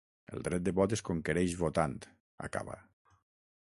El dret de vot es conquereix votant, acaba.